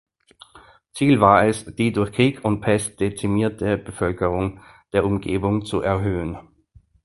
Ziel war es die durch Krieg und Pest dezimierte Bevölkerung der Umgebung zu erhöhen.